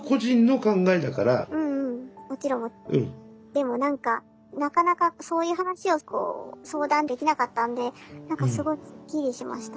でも何かなかなかそういう話をこう相談できなかったんで何かすごいすっきりしました。